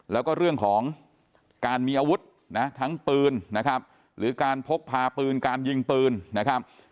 แล้วก็เรื่องของการมีอาวุธนะทั้งปืนนะครับหรือการพกพาปืนการยิงปืนนะครับ